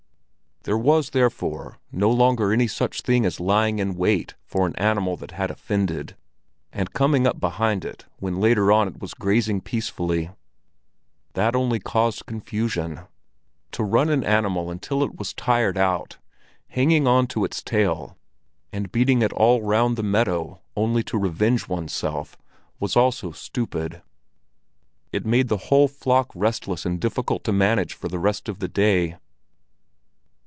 There was therefore no longer any such thing as lying in wait for an animal that had offended, and coming up behind it when later on it was grazing peacefully. That only caused confusion. To run an animal until it was tired out, hanging on to its tail and beating it all round the meadow only to revenge one's self, was also stupid; it made the whole flock restless and difficult to manage for the rest of the day.